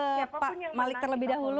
saya ke pak malik terlebih dahulu